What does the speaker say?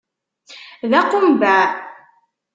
D aqumbeε.